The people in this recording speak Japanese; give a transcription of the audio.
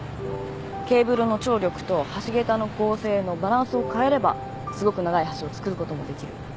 ケーブルの張力と橋げたの剛性のバランスを変えればすごく長い橋を造ることもできる。